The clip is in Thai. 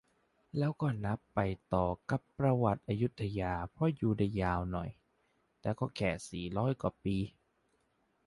แล้วก็นับไปต่อกับประวัติอยุธยา เพราะอยู่ได้ยาวหน่อย แต่ก็แค่สี่ร้อยกว่าปี